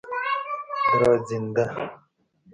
دراځینده